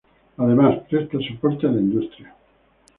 Además presta soporte a la industria.